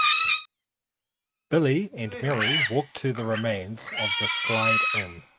Billy and Mary walk to the remains of the Slide Inn.